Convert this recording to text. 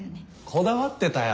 こだわってたよ。